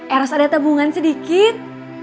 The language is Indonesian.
eros ada tabungan sedikit